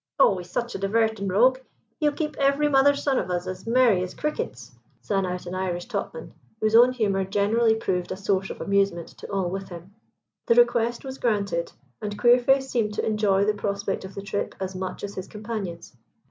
"Oh, he's such a divertin' rogue, he'll keep every mother's son of us as merry as crickets," sang out an Irish topman, whose own humour generally proved a source of amusement to all with him. The request was granted, and Queerface seemed to enjoy the prospect of the trip as much as his companions.